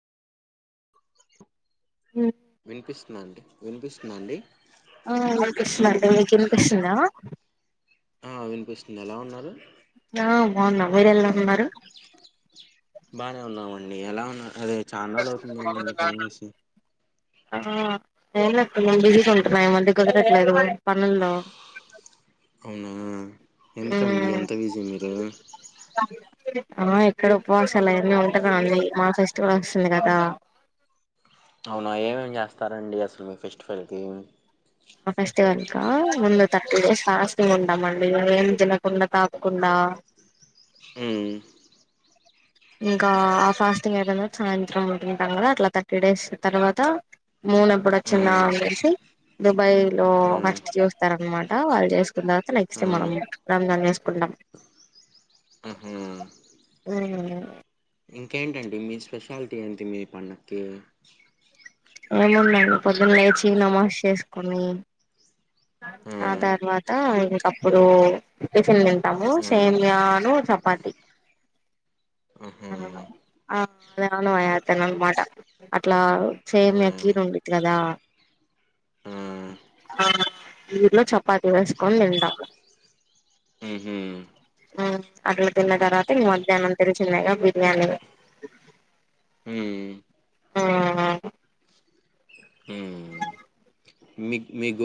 వినిపిస్తున్నా అండి, వినిపిస్తున్నా అండి. ఆ ఏంకృష్ణ అండి, మీకు వినిపిస్తుందా? ఆ వినిపిస్తుంది. ఎలా ఉన్నారు? బాగున్నాం. మీరెలా ఉన్నారు? బానే ఉన్నామండి. ఎలా ఉన్నా అదే చానోలు అవుతుందండి. ఫోన్ చేసి ఆ ఏమేలె బిజీగా ఉంటున్నా. ఈ మధ్య కుదరట్లేదు పనుల్లో అవునా! ఎందుకండి మ్మ్ అంతా బిజీ మీరు. ఆ ఇక్కడ ఉపవాసాలు అవన్నీ ఉంటన్నా, అండి మా ఫెస్టివల్ వస్తుంది. కదా! అవునా! ఏమేమి చేస్తారండి? అసలు మీ ఫెస్టివల్కి. మా ఫస్ట్ వల్ కా, ముందు థర్టీ డే ఫాస్టింగ్ ఉంటామ. అండి ఏం తినకుండా తాకుకుండా ఆ ఉమ్ ఇంకా ఆ ఫాస్టింగ్ అయిపోయిన, సాయంత్రం ఉంటుంటాం కదా. అట్లా థర్టీ డేస్ తర్వాత మూన్ ఎప్పుడు ఆ వచ్చిందా. అనేసి దుబాయ్ లో ఆ ఫస్ట్ చూస్తారనమాట, వాళ్ళు చేసుకున్న తర్వాత నెక్స్ట్, ఆ మనం రంజాన్ చేసుకు. కుంటాం. ఆహా ఇంకేంటండి, మీ స్పెషాలిటీ ఏంటి? మీ పండకి. ఏముదండి, పొద్దున లేచి నమాష్ చేసుకుని. ఆ అ తర్వాత అ అప్పుడు టిఫిన్ తింటాము. ఆ సేమయాను, చపాతి ఆహా ఆ ఆ అవును, తన అ మాటా అట్లా ఆ సేమయా కీరు ఉండింది కదా! ఆ అ దీన్ లో చపాతి వేసుకొని తింటాం. ఉహు. అ అట్లా తిన్న తర్వాత, ఇగా మధ్యాహ్నం చిన్న గా బిర్యానీ. ఉ ఆ ఉ మీ మీ